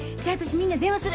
みんなに電話する。